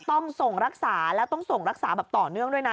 ต้องส่งรักษาแล้วต้องส่งรักษาแบบต่อเนื่องด้วยนะ